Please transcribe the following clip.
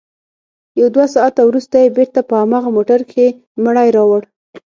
يو دوه ساعته وروسته يې بېرته په هماغه موټر کښې مړى راوړ.